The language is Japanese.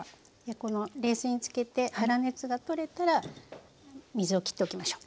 この冷水に漬けて粗熱が取れたら水をきっておきましょう。